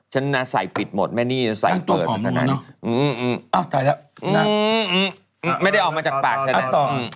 ฉันน่ะใส่ปิดหมดแม่นี่ใส่เปิดอ๋อใส่แล้วไม่ได้ออกมาจากปากฉันเนี่ย